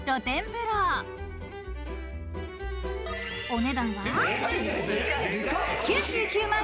［お値段は］